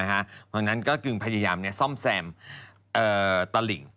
เพราะฉะนั้นก็จึงพยายามซ่อมแซมตลิ่ง